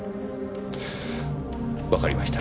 わかりました。